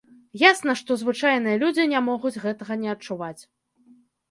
Ясна, што звычайныя людзі не могуць гэта не адчуваць.